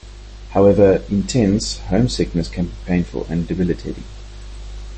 However, intense homesickness can be painful and debilitating.